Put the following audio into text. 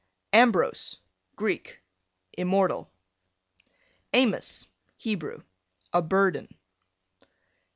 Ambrose, Greek, immortal. Amos, Hebrew, a burden.